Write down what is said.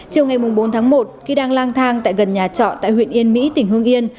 chiều ngày bốn tháng một khi đang lang thang tại gần nhà trọ tại huyện yên mỹ tỉnh hương yên